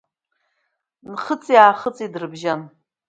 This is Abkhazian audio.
Нхыҵи Аахыҵи дрыбжьан…